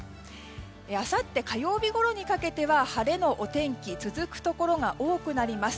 あさって火曜日ごろにかけては晴れのお天気続くところが多くなります。